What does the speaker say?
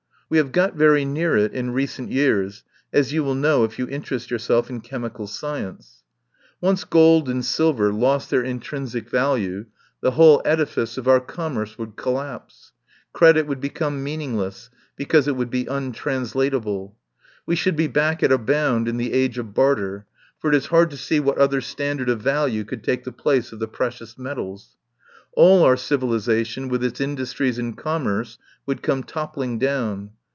We have got very near it in recent years, as you will know if you interest yourself in chemical sci ence. Once gold and silver lost their intrinsic 68 TELLS OF A MIDSUMMER NIGHT value, the whole edifice of our commerce would collapse. Credit would become mean ingless, because it would be untranslatable. We should be back at a bound in the age of barter, for it is hard to see what other stand ard of value could take the place of the precious metals. All our civilisation, with its industries and commerce, would come top pling down.